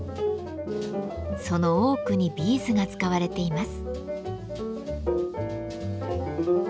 その多くにビーズが使われています。